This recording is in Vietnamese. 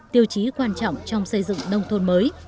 tiêu chí quan trọng trong xây dựng nông thôn mới